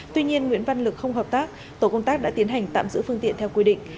tuy nhiên nguyễn văn lực không hợp tác tổ công tác đã tiến hành tạm giữ phương tiện theo quy định